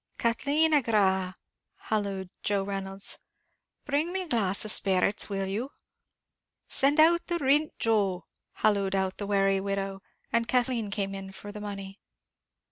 "Kathleen, agra," hallooed Joe Reynolds, "bring me a glass of sperrits, will you?" "Send out the rint, Joe," hallooed out the wary widow, and Kathleen came in for the money.